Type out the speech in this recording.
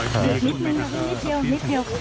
นี่คุณค่ะนี่เพียว